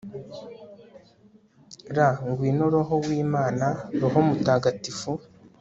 r/ ngwino roho w'imana, roho mutagatifu